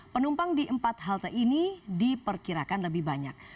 penumpang di empat halte ini diperkirakan lebih banyak